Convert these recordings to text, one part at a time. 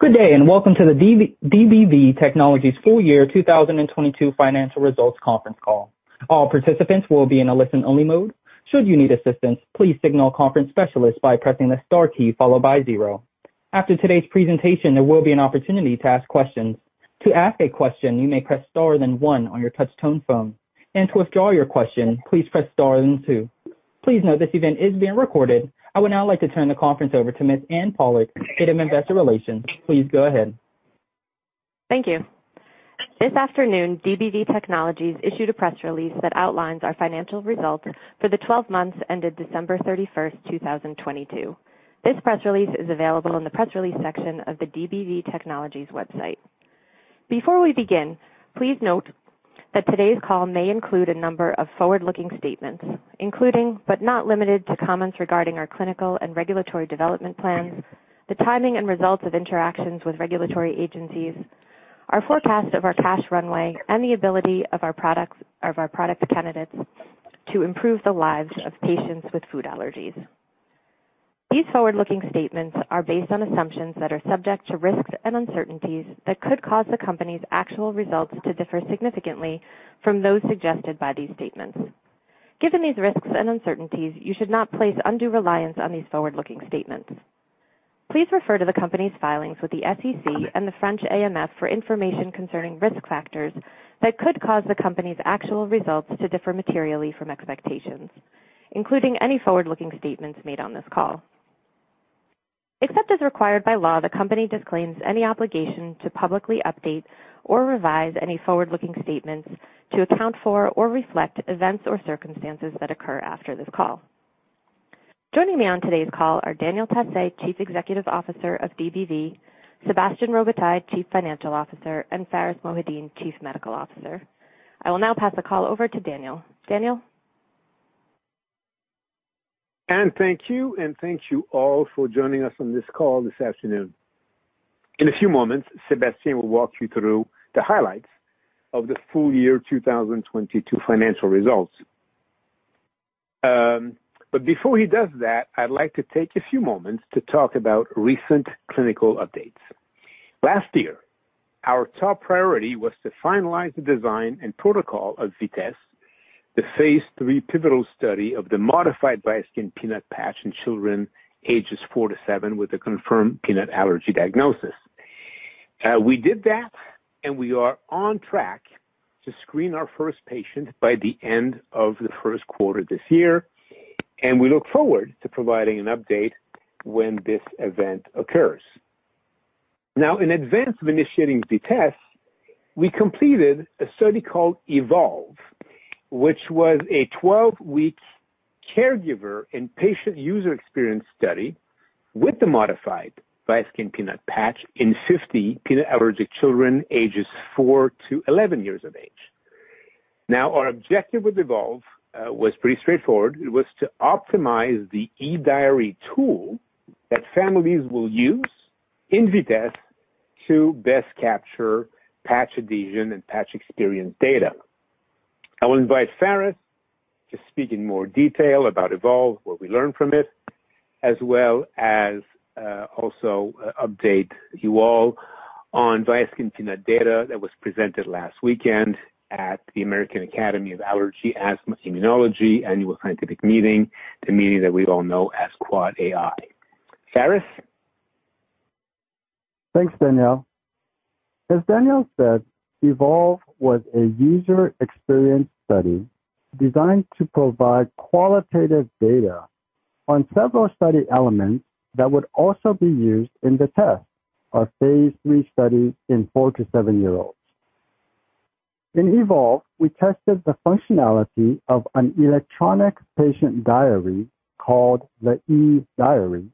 Good day, welcome to the DBV Technologies' full year 2022 financial results conference call. All participants will be in a listen-only mode. Should you need assistance, please signal a conference specialist by pressing the star key followed by zero. After today's presentation, there will be an opportunity to ask questions. To ask a question, you may press star then one on your touch tone phone. To withdraw your question, please press star then two. Please note this event is being recorded. I would now like to turn the conference over to Ms. Anne Pollak, DBV Investor Relations. Please go ahead. Thank you. This afternoon, DBV Technologies issued a press release that outlines our financial results for the 12 months ended December 31st, 2022. This press release is available in the press release section of the DBV Technologies website. Before we begin, please note that today's call may include a number of forward-looking statements, including, but not limited to comments regarding our clinical and regulatory development plans, the timing and results of interactions with regulatory agencies, our forecast of our cash runway, and the ability of our product candidates to improve the lives of patients with food allergies. These forward-looking statements are based on assumptions that are subject to risks and uncertainties that could cause the company's actual results to differ significantly from those suggested by these statements. Given these risks and uncertainties, you should not place undue reliance on these forward-looking statements. Please refer to the company's filings with the SEC and the French AMF for information concerning risk factors that could cause the company's actual results to differ materially from expectations, including any forward-looking statements made on this call. Except as required by law, the company disclaims any obligation to publicly update or revise any forward-looking statements to account for or reflect events or circumstances that occur after this call. Joining me on today's call are Daniel Tassé, Chief Executive Officer of DBV, Sébastien Robitaille, Chief Financial Officer, and Pharis Mohideen, Chief Medical Officer. I will now pass the call over to Daniel. Daniel? Anne, thank you. Thank you all for joining us on this call this afternoon. In a few moments, Sébastien will walk you through the highlights of the full year 2022 financial results. Before he does that, I'd like to take a few moments to talk about recent clinical updates. Last year, our top priority was to finalize the design and protocol of VITESSE, the phase III pivotal study of the modified Viaskin Peanut patch in children ages 4 to 7 with a confirmed peanut allergy diagnosis. We did that. We are on track to screen our first patient by the end of the Q1 this year. We look forward to providing an update when this event occurs. Now, in advance of initiating VITESSE, we completed a study called EVOLVE, which was a 12-week caregiver and patient user experience study with the modified Viaskin Peanut patch in 50 peanut allergic children, ages four to 11 years of age. Now, our objective with EVOLVE was pretty straightforward. It was to optimize the eDiary tool that families will use in VITESSE to best capture patch adhesion and patch experience data. I will invite Pharis to speak in more detail about EVOLVE, what we learned from it, as well as also update you all on Viaskin Peanut data that was presented last weekend at the American Academy of Allergy, Asthma & Immunology annual scientific meeting, the meeting that we all know as quad AI. Pharis? Thanks, Daniel. As Daniel said, EVOLVE was a user experience study designed to provide qualitative data on several study elements that would also be used in the test. A phase III study in four to seven-year-olds. In EVOLVE, we tested the functionality of an electronic patient diary called the eDiary,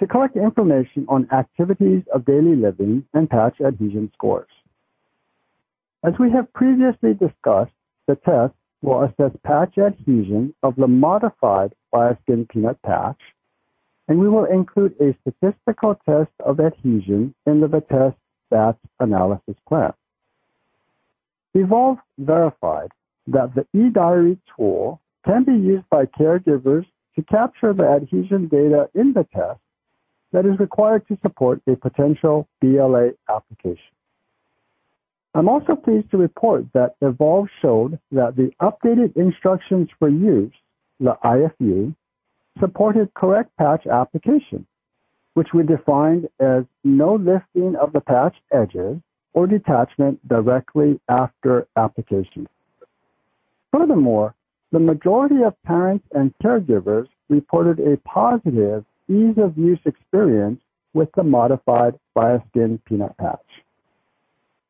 to collect information on activities of daily living and patch adhesion scores. As we have previously discussed, the test will assess patch adhesion of the modified Viaskin Peanut patch, and we will include a statistical test of adhesion into the test stats analysis plan. EVOLVE verified that the eDiary tool can be used by caregivers to capture the adhesion data in the test that is required to support a potential BLA application. I'm also pleased to report that EVOLVE showed that the updated instructions for use, the IFU, supported correct patch application. Which we defined as no lifting of the patch edges or detachment directly after application. Furthermore, the majority of parents and caregivers reported a positive ease of use experience with the modified Viaskin Peanut patch.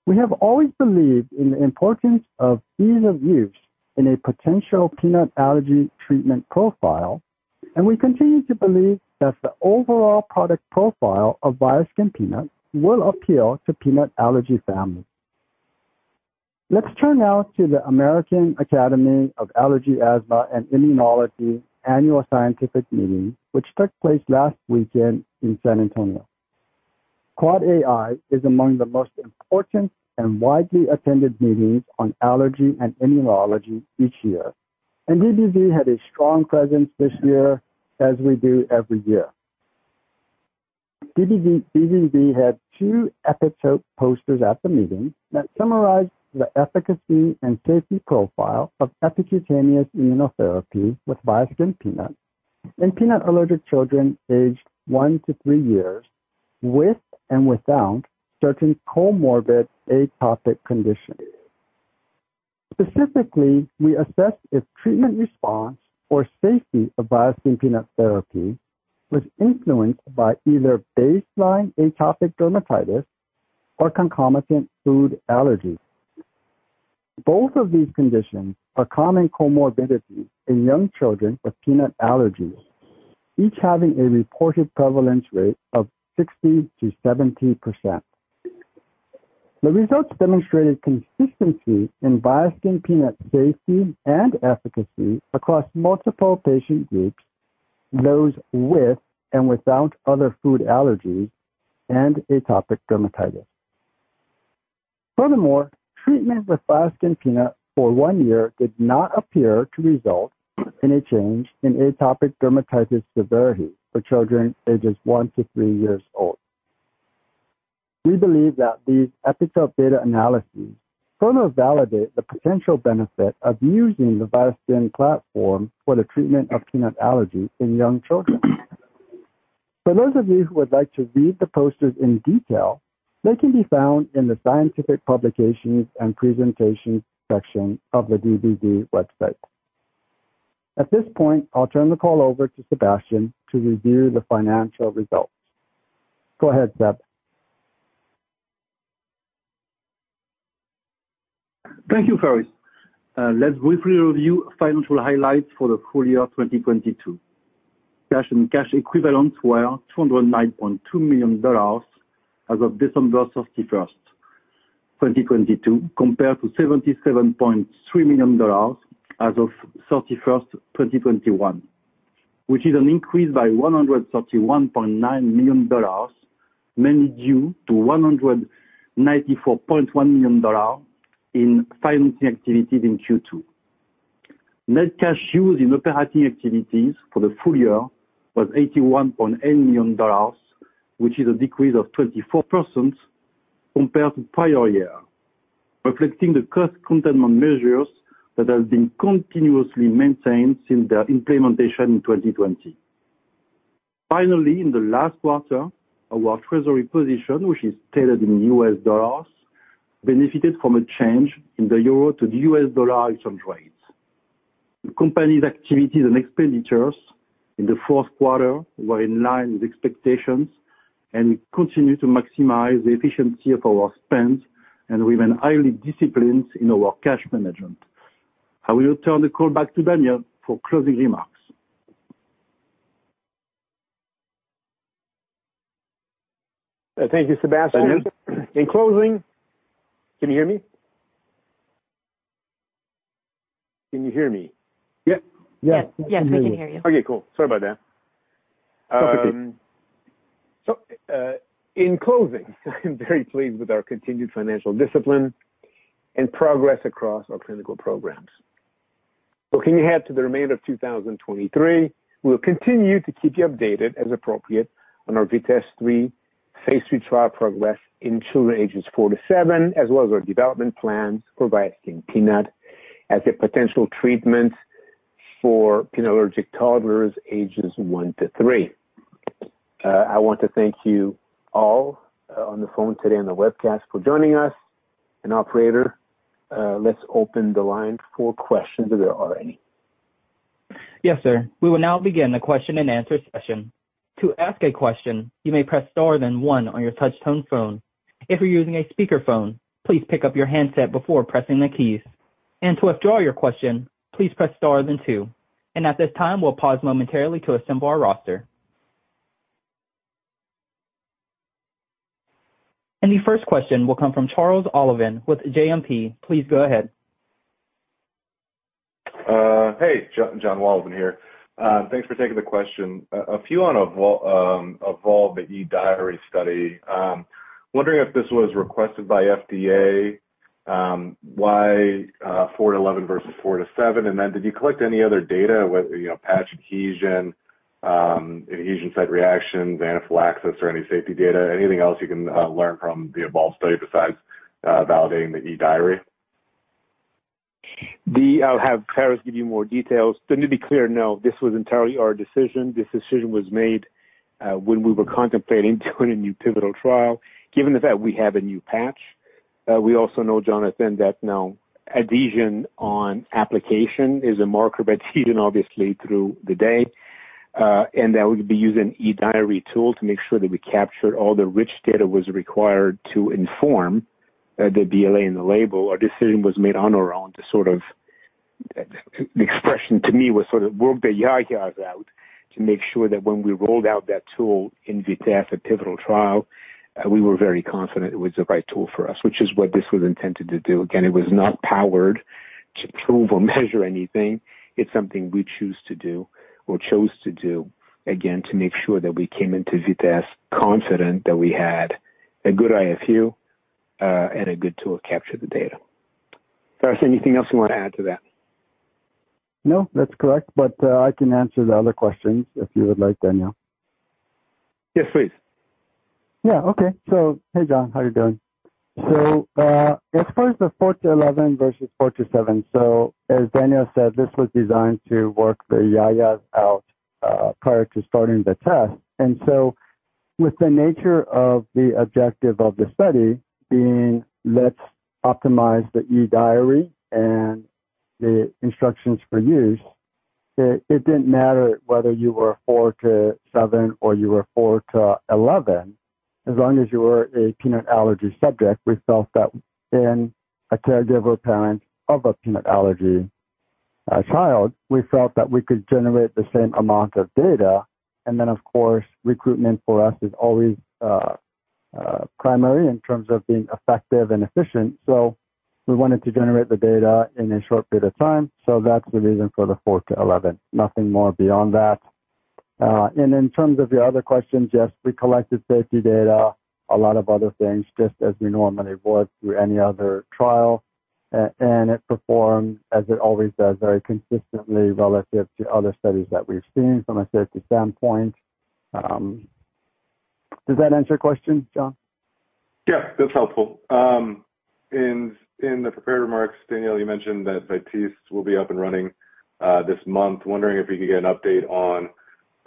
We have always believed in the importance of ease of use in a potential peanut allergy treatment profile, and we continue to believe that the overall product profile of Viaskin Peanut will appeal to peanut allergy families. Let's turn now to the American Academy of Allergy, Asthma and Immunology annual scientific meeting, which took place last weekend in San Antonio. AAAAI is among the most important and widely attended meetings on allergy and immunology each year, and DBV had a strong presence this year, as we do every year. DBV had two EPITOPE posters at the meeting that summarized the efficacy and safety profile of epicutaneous immunotherapy with Viaskin Peanut in peanut-allergic children aged one to three years with and without certain comorbid atopic conditions. Specifically, we assessed if treatment response or safety of Viaskin Peanut therapy was influenced by either baseline atopic dermatitis or concomitant food allergy. Both of these conditions are common comorbidities in young children with peanut allergies, each having a reported prevalence rate of 60%-70%. The results demonstrated consistency in Viaskin Peanut safety and efficacy across multiple patient groups, those with and without other food allergies and atopic dermatitis. Furthermore, treatment with Viaskin Peanut for one year did not appear to result in a change in atopic dermatitis severity for children ages one to three years old. We believe that these EPITOPE data analyses further validate the potential benefit of using the Viaskin platform for the treatment of peanut allergy in young children. For those of you who would like to read the posters in detail, they can be found in the scientific publications and presentations section of the DBV website. At this point, I'll turn the call over to Sébastien to review the financial results. Go ahead, Seb. Thank you, Pharis. Let's briefly review financial highlights for the full year 2022. Cash and cash equivalents were $209.2 million as of December 31, 2022, compared to $77.3 million as of 31, 2021, which is an increase by $131.9 million, mainly due to $194.1 million in financing activities in Q2. Net cash used in operating activities for the full year was $81.8 million, which is a decrease of 24% compared to prior year, reflecting the cost containment measures that have been continuously maintained since their implementation in 2020. Finally, in the last quarter, our treasury position, which is stated in US dollars, benefited from a change in the euro to the US dollar exchange rates. The company's activities and expenditures in the Q4 were in line with expectations, and we continue to maximize the efficiency of our spend, and we remain highly disciplined in our cash management. I will turn the call back to Daniel Tassé for closing remarks. Thank you, Sébastien. That's it. In closing... Can you hear me? Can you hear me? Yeah. Yeah. Yes. Yes, we can hear you. Okay, cool. Sorry about that. In closing, I'm very pleased with our continued financial discipline and progress across our clinical programs. Looking ahead to the remainder of 2023, we'll continue to keep you updated as appropriate on our VITESSE phase III trial progress in children ages four to seven, as well as our development plans for Viaskin Peanut as a potential treatment for peanut-allergic toddlers ages one to three. I want to thank you all on the phone today on the webcast for joining us. Operator, let's open the line for questions if there are any. Yes, sir. We will now begin the question-and-answer session. To ask a question, you may press star then one on your touch tone phone. If you're using a speakerphone, please pick up your handset before pressing the keys. To withdraw your question, please press star then two. At this time, we'll pause momentarily to assemble our roster. The first question will come from Jonathan Wolleben with JMP. Please go ahead. Hey, Jonathan Wolleben here. Thanks for taking the question. A few on EVOLVE, the eDiary study. Wondering if this was requested by FDA, why four to 11 versus four to seven? Did you collect any other data, whether, you know, patch adhesion site reactions, anaphylaxis or any safety data, anything else you can learn from the EVOLVE study besides validating the eDiary? I'll have Pharis give you more details. To be clear, no, this was entirely our decision. This decision was made when we were contemplating doing a new pivotal trial. Given the fact we have a new patch, we also know, John, I think that now adhesion on application is a marker of adhesion, obviously, through the day. That we'll be using eDiary tool to make sure that we capture all the rich data was required to inform the BLA and the label. Our decision was made on our own to sort of... The expression to me was sort of work the yada yads out to make sure that when we rolled out that tool in VITESSE, a pivotal trial, we were very confident it was the right tool for us, which is what this was intended to do. It was not powered to prove or measure anything. It's something we choose to do or chose to do, again, to make sure that we came into VITESSE confident that we had a good IFU and a good tool to capture the data. Pharis, anything else you wanna add to that? No, that's correct. I can answer the other questions, if you would like, Daniel. Yes, please. Yeah. Okay. Hey, John, how are you doing? As far as the four to 11 versus four to seven. As Daniel Tassé said, this was designed to work the Yayas out prior to starting the test. With the nature of the objective of the study being let's optimize the eDiary and the instructions for use, it didn't matter whether you were four to seven or you were four to 11. As long as you were a peanut allergy subject, we felt that in a caregiver parent of a peanut allergy child, we felt that we could generate the same amount of data. Of course, recruitment for us is always primary in terms of being effective and efficient. We wanted to generate the data in a short period of time. That's the reason for the four to 11. Nothing more beyond that. In terms of your other questions, yes, we collected safety data, a lot of other things, just as we normally would through any other trial. It performed as it always does, very consistently relative to other studies that we've seen from a safety standpoint. Does that answer your question, John? Yeah, that's helpful. in the prepared remarks, Daniel, you mentioned that VITESSE will be up and running, this month. Wondering if we could get an update on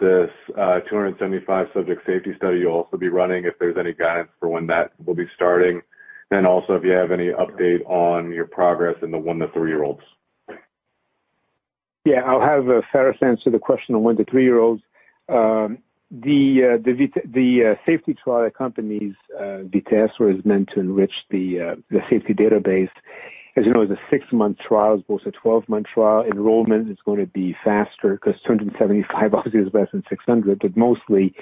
this, 275 subject safety study you'll also be running, if there's any guidance for when that will be starting. Also if you have any update on your progress in the one to three-year-olds. Yeah, I'll have Pharis answer the question on one to three year olds. The safety trial accompanies VITESSE where it's meant to enrich the safety database. As you know, the 6-month trial is both a 12-month trial. Enrollment is gonna be faster because 275 obviously is less than 600. Mostly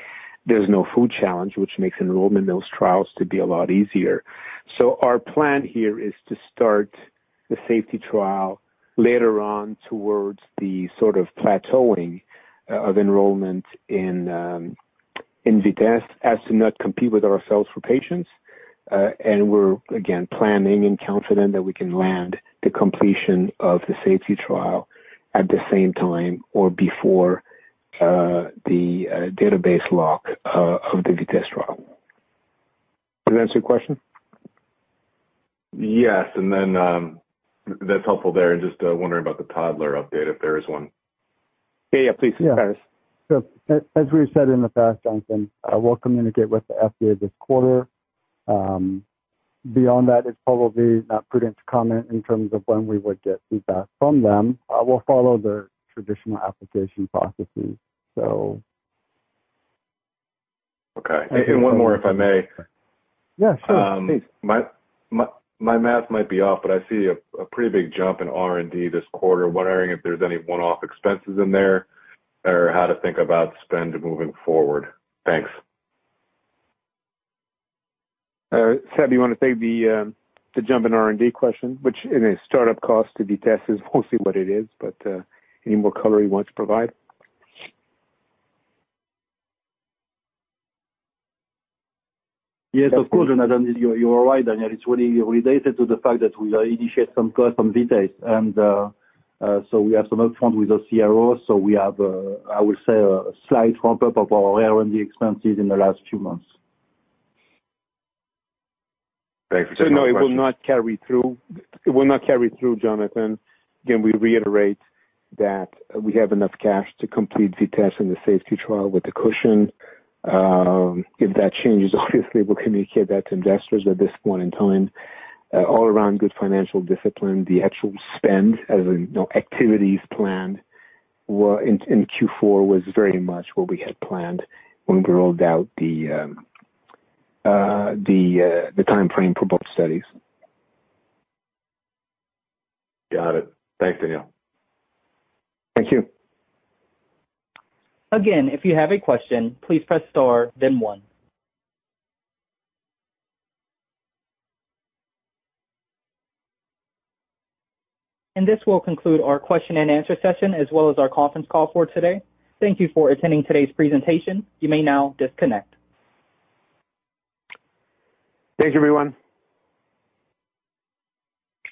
there's no food challenge, which makes enrollment in those trials to be a lot easier. Our plan here is to start the safety trial later on towards the sort of plateauing of enrollment in VITESSE as to not compete with ourselves for patients. We're again planning and confident that we can land the completion of the safety trial at the same time or before the database lock of the VITESSE trial. Does that answer your question? Yes. That's helpful there. Just wondering about the toddler update, if there is one. Yeah. Yeah, please, Pharis. Yeah. as we said in the past, Jonathan, we'll communicate with the FDA this quarter. beyond that, it's probably not prudent to comment in terms of when we would get feedback from them. we'll follow the traditional application processes. Okay. One more, if I may. Yeah, sure. Please. My math might be off, I see a pretty big jump in R&D this quarter. Wondering if there's any one-off expenses in there or how to think about spend moving forward? Thanks. Seb, do you wanna take the jump in R&D question, which in a startup cost to be tested, we'll see what it is, but any more color you want to provide? Yes, of course. You're right, Daniel. It's really related to the fact that we initiate some costs on VITESSE. We have some upfront with the CRO. We have I would say a slight ramp-up of our R&D expenses in the last few months. Thanks for taking my question. No, it will not carry through. It will not carry through, Jonathan. Again, we reiterate that we have enough cash to complete VITESSE and the safety trial with the cushion. If that changes, obviously we'll communicate that to investors at this point in time. All around good financial discipline. The actual spend as in, you know, activities planned were in Q4 was very much what we had planned when we rolled out the timeframe for both studies. Got it. Thanks, Daniel Tassé. Thank you. Again, if you have a question, please press star then one. This will conclude our question and answer session, as well as our conference call for today. Thank you for attending today's presentation. You may now disconnect. Thanks, everyone.